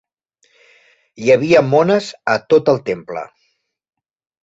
Hi havia mones a tot el temple.